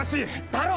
太郎！